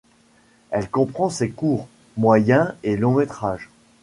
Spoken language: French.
Elle comprend ses courts, moyens et longs-métrages.